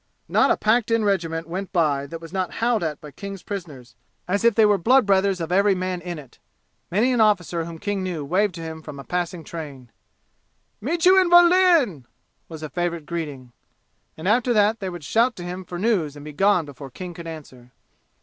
Not a packed in regiment went by that was not howled at by King's prisoners as if they were blood brothers of every man in it. Many an officer whom King knew waved to him from a passing train. "Meet you in Berlin!" was a favorite greeting. And after that they would shout to him for news and be gone before King could answer.